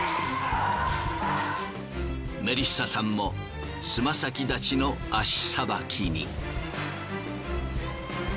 メリッサさんもつま先立ちの足さばきに。